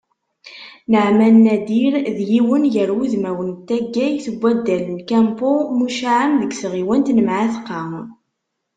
Naɛman Nadir, d yiwen gar wudmawen n taggayt n waddal n Kempo muccaεen deg tɣiwant n Mεatqa.